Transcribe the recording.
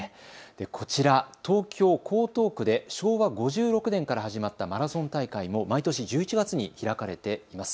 こちら、東京江東区で昭和５６年から始まったマラソン大会も毎年１１月に開かれています。